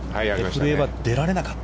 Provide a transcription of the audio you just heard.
古江は出られなかった。